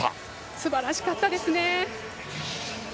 すばらしかったですね。